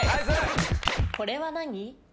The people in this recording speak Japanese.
これは何？